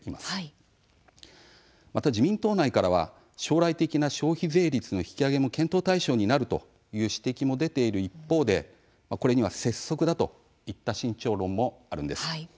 また、自民党内からは将来的な消費税率の引き上げも検討対象になるという指摘も出ている一方でこれには拙速だといった慎重論もあるんです。